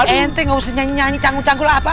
eh ente gak usah nyanyi nyanyi cangkul cangkul apa